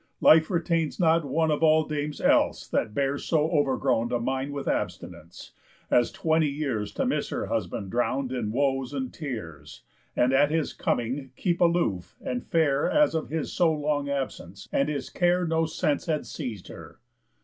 Life retains not one Of all dames else that bears so overgrown A mind with abstinence, as twenty years To miss her husband drown'd in woes and tears, And at his coming keep aloof, and fare As of his so long absence and his care No sense had seiz'd her.